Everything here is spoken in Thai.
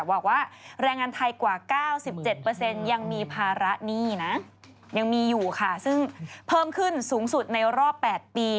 บอกว่าแรงงานไทยกว่า๙๗ยังมีภาระหนี้นะยังมีอยู่ค่ะซึ่งเพิ่มขึ้นสูงสุดในรอบ๘ปี